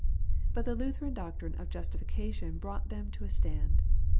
But the Lutheran doctrine of justification brought them to a stand.